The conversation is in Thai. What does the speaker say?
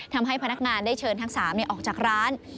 ทำให้พนักงานได้เชิญทั้ง๓ออกจากร้าน